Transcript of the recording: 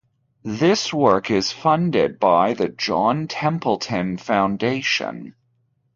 This work is funded by the John Templeton Foundation.